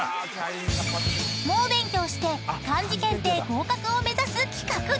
［猛勉強して漢字検定合格を目指す企画で］